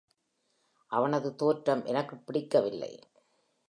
அவனது தோற்றம் எனக்குப் பிடிக்கவில்லை.